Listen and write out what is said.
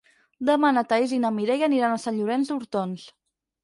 Demà na Thaís i na Mireia aniran a Sant Llorenç d'Hortons.